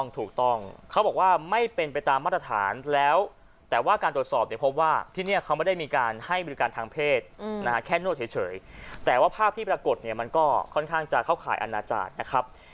ถูกต้องเขาบอกว่าไม่เป็นไปตามมาตรฐานแล้วแต่ว่าการตรวจสอบเนี่ยพบว่าที่นี่เขาไม่ได้มีการให้บริการทางเพศแค่นวดเฉยแต่ว่าภาพที่ปรากฏเนี่ยมันก็ค่อนข้างจะเข้าข่ายอนาจารย์นะครับ